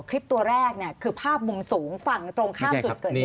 คลิปตัวแรกเนี่ยคือภาพมุมสูงฝั่งตรงข้ามจุดเกิดเหตุ